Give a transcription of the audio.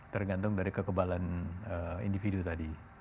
tergantung dari kekebalan individu tadi